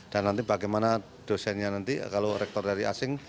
dan nanti bagaimana dosennya nanti kalau rektor dari asing